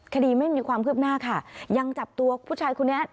คดีไม่มีความคืบหน้าค่ะยังจับตัวผู้ชายคนนี้